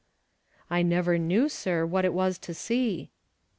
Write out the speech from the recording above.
"I never knew, sir, what it was to see."